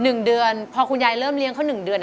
หนึ่งเดือนพอคุณยายเริ่มเลี้ยงเขาหนึ่งเดือน